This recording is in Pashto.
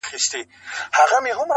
چي د ټولو افغانانو هیله ده!!..